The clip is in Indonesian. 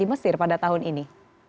mesir pada tahun ini